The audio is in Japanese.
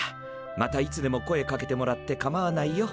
またいつでも声かけてもらってかまわないよ。